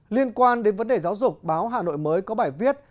liên quan đến vấn đề giáo dục báo hà nội mới có bài viết